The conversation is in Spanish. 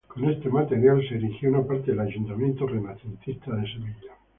Con este material se erigió una parte del ayuntamiento renacentista de Sevilla.